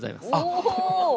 お！